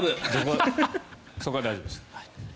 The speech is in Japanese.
そこは大丈夫です。